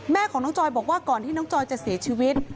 แม่ของน้องจอยบอกว่าก่อนที่น้องจอยจะเสียชีวิต